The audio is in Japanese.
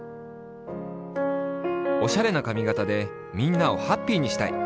おしゃれな髪型でみんなをハッピーにしたい！